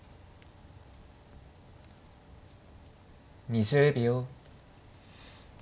２０秒。